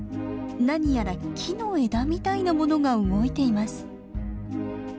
何やら木の枝みたいなものが動いています。